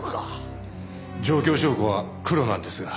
状況証拠はクロなんですが。